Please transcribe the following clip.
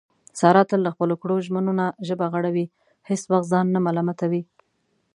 ساره تل له خپلو کړو ژمنو نه ژبه غړوي، هېڅ وخت ځان نه ملامتوي.